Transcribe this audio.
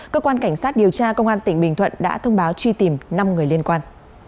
cơ quan cảnh sát điều tra công an tỉnh bình thuận đã thông báo truy tìm năm người liên quan